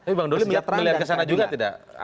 tapi bang doli melihat kesana juga tidak